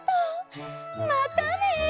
またね。